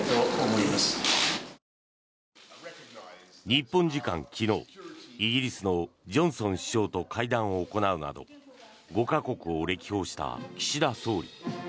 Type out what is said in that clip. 日本時間昨日イギリスのジョンソン首相と会談を行うなど５か国を歴訪した岸田総理。